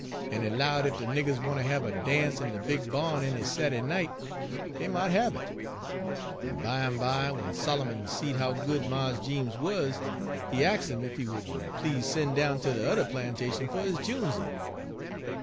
En he 'lowed ef de niggers want ter hab a dance in de big ba'n any Sad'day night, dey mought hab it. En bimeby, w'en Solomon seed how good Mars Jeems wuz, he ax' 'im ef he would n please sen' down ter de yuther plantation fer his junesey.